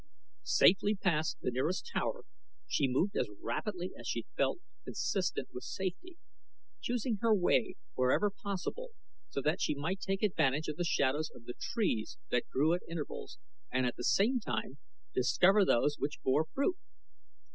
Safely past the nearest tower, she moved as rapidly as she felt consistent with safety, choosing her way wherever possible so that she might take advantage of the shadows of the trees that grew at intervals and at the same time discover those which bore fruit.